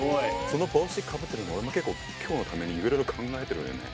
その帽子かぶってるの結構今日のためにいろいろ考えてるよね。